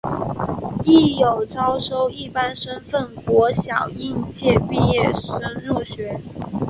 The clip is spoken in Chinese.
亦有招收一般身份国小应届毕业生入学。